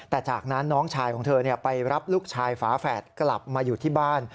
แต่จากนั้นน้องชายของเธอไปรับลูกชายฝาแฝดกลับมาอยู่ที่บ้าน